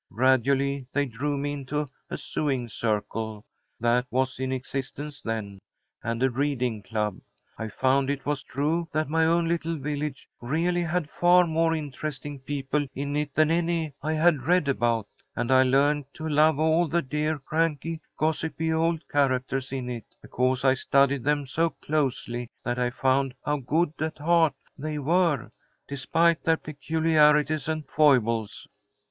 Gradually they drew me into a sewing circle that was in existence then, and a reading club. I found it was true that my own little village really had far more interesting people in it than any I had read about, and I learned to love all the dear, cranky, gossipy old characters in it, because I studied them so closely that I found how good at heart they were despite their peculiarities and foibles.